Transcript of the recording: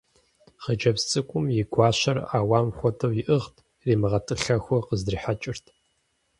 Хъыджэбз цӏыкӏум и гуащэр ӏэуам хуэдэу иӏыгът, иримыгъэтӏылъэху къыздрихьэкӏырт.